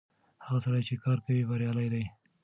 هغه سړی چې کار کوي بريالی دی.